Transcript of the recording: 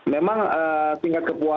memang tingkat kepulauan